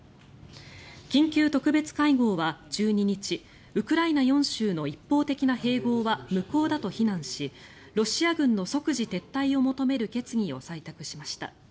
緊急特別会合は１２日ウクライナ４州の一方的な併合は無効だと非難しロシア軍の即時撤退を求める決議を採択しました。